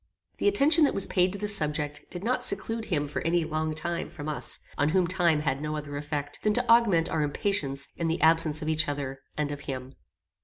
The attention that was paid to this subject did not seclude him for any long time from us, on whom time had no other effect than to augment our impatience in the absence of each other and of him.